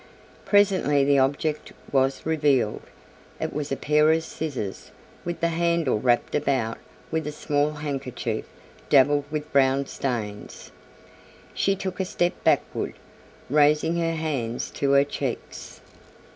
Presently the object was revealed. It was a pair of scissors with the handle wrapped about with a small handkerchief dappled with brown stains. She took a step backward, raising her hands to her cheeks.